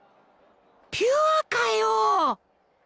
ピュアかよ！